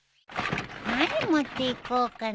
何持っていこうかな？